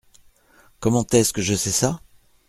Comment est-ce que je sais ça ?